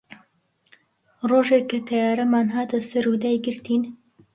ڕۆژێ کە تەیارەمان هاتە سەر و دایگرتین